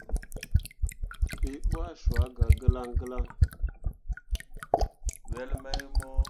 Wǝ ɓuah cua gah gǝlaŋ gǝlaŋ.